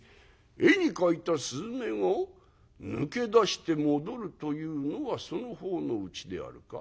「絵に描いた雀が抜け出して戻るというのはその方のうちであるか？」。